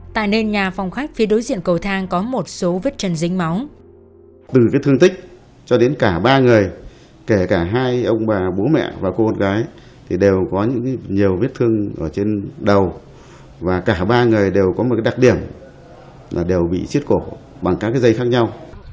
tại nền nhà phòng khách phía đối diện cầu thang có một số vết chân dính máu